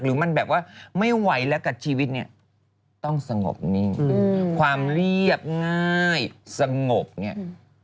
หรือมันแบบว่าไม่ไหวแล้วกับชีวิตเนี่ยต้องสงบนิ่งความเรียบง่ายสงบเนี่ย